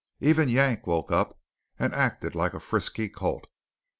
Even Yank woke up and acted like a frisky colt.